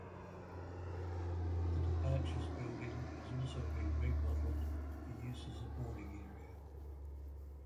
The departures building has also been remodelled for use as a boarding area.